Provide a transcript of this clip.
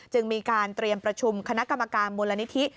จึงมีการเตรียมประชุมคณะกรรมการมูลนิธิ